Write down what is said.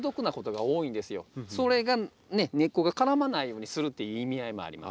それが根っこが絡まないようにするっていう意味合いもあります。